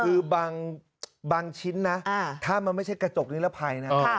คือบางชิ้นนะถ้ามันไม่ใช่กระจกนิรภัยนะ